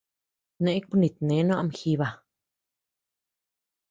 Neʼë kunitnee noo ama jiiba.